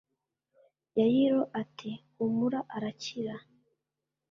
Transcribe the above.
Yayiro ati humura arakira